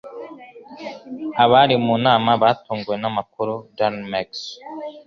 Abari mu nama batunguwe namakuru. (darinmex)